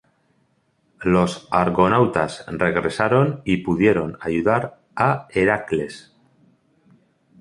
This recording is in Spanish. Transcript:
Los Argonautas regresaron y pudieron ayudar a Heracles.